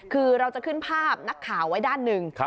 คือเราจะขึ้นภาพนักข่าวไว้ด้านหนึ่ง